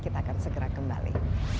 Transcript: kita akan segera kembali